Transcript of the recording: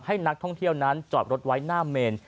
ให้นักท่องเที่ยวนั้นจอดรถไว้หน้าเมน